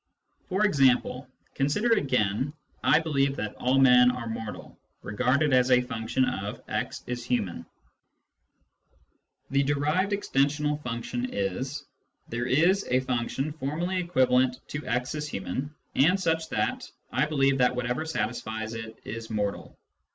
For example, consider again "I believe that all men are mortal," regarded as a function of " x is human." The derived extensional function is :" There is a function formally equivalent to '* is human ' and such that I believe that whatever satisfies it is mortal."